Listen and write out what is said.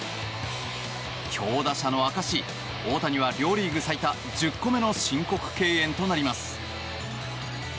強打者の証し大谷は両リーグ最多１０個目の申告敬遠となります。